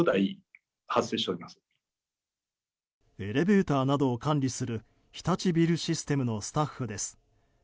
エレベーターなどを管理する日立ビルシステムのスタッフです。